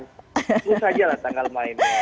itu saja lah tanggal mainan